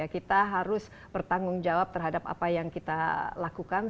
kita harus bertanggung jawab terhadap apa yang kita lakukan